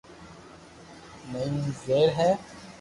تني زبر ھي